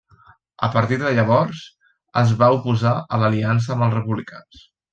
A partir de llavors es va oposar a l'aliança amb els republicans.